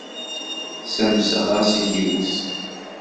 Ssamseɣ-as i yiwet.